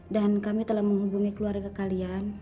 dan kami telah menghubungi keluarga kalian